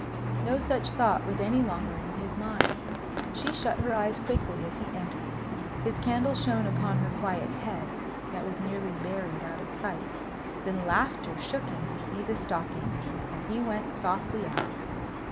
No such thought was any longer in his mind. She shut her eyes quickly as he entered. His candle shone upon her quiet head, that was nearly buried out of sight; then laughter shook him to see the stocking, and he went softly out.